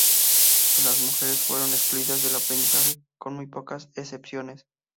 Las mujeres fueron excluidas del aprendizaje, con muy pocas excepciones.